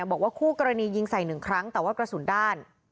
บอกว่าคู่กรณียิงใส่หนึ่งครั้งแต่ว่ากระสุนด้าน